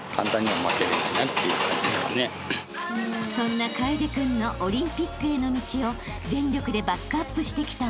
［そんな楓君のオリンピックへの道を全力でバックアップしてきたお父さん］